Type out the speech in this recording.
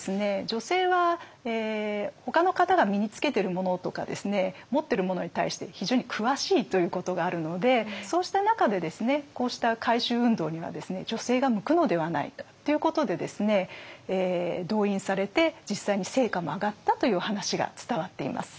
女性はほかの方が身につけてるものとか持ってるものに対して非常に詳しいということがあるのでそうした中でこうした回収運動には女性が向くのではないかということで動員されて実際に成果も上がったという話が伝わっています。